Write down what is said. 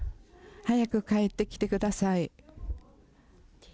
早く帰ってきて下さい。